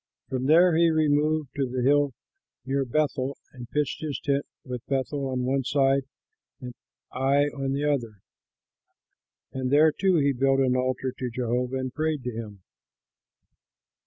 From there he removed to the hill near Bethel and pitched his tent with Bethel on one side and Ai on the other, and there too he built an altar to Jehovah and prayed to him.